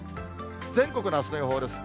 全国のあすの予報です。